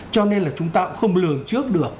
cho nên là chúng ta cũng không lường trước được